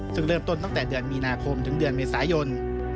ซึ่งเริ่มต้นตั้งแต่เดือนมีนาคมถึงเดือนเมษายน